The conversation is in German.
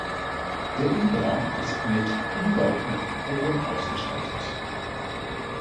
Der Innenraum ist mit umlaufenden Emporen ausgestattet.